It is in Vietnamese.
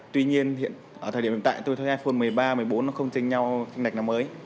tuy nhiên hiện tại tôi thấy iphone một mươi ba một mươi bốn nó không tranh nhau tranh đạch nào mới